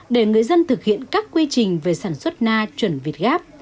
để người dân thực hiện các quy trình về sản xuất na chuẩn việt gáp